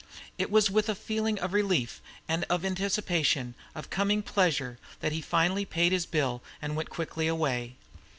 It was with a feeling of relief and of anticipation of coming pleasure that he finally paid his bill and went quickly away.